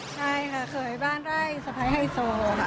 ใช่ค่ะเขยบ้านไร่สไพล์ไฮโซ